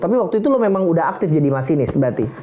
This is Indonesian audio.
tapi waktu itu lo memang udah aktif jadi masinis berarti